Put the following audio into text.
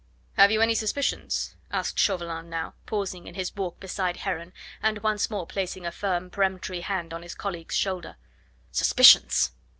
"Have you any suspicions?" asked Chauvelin now, pausing in his walk beside Heron, and once more placing a firm, peremptory hand on his colleague's shoulder. "Suspicions!"